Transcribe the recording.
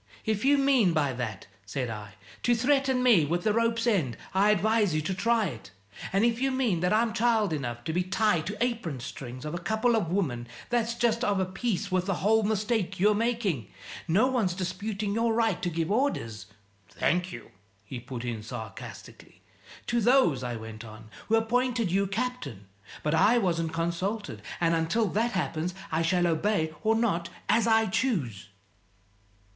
"If you mean by that," said I, "to threaten me with the rope's end, I advise you to try it. And if you mean that I'm child enough to be tied to apron strings of a couple of women, that's just of a piece with the whole mistake you're making. No one's disputing your right to give orders " "Thank you," he put in sarcastically. " To those," I went on, "who appointed you captain. But I wasn't consulted, and until that happens, I shall obey or not, as I choose."